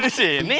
ada di sini